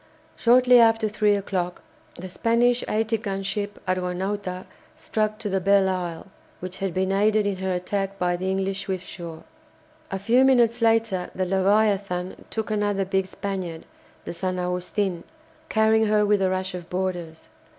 Shortly after three o'clock the Spanish 80 gun ship "Argonauta" struck to the "Belleisle," which had been aided in her attack by the English "Swiftsure." A few minutes later the "Leviathan" took another big Spaniard, the "San Agustino," carrying her with a rush of boarders.